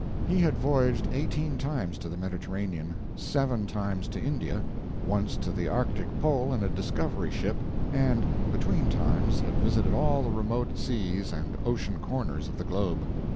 He had voyaged eighteen times to the Mediterranean, seven times to India, once to the arctic pole in a discovery ship, and "between times" had visited all the remote seas and ocean corners of the globe.